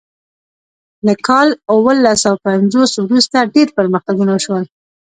له کال اوولس سوه پنځوس وروسته ډیر پرمختګونه وشول.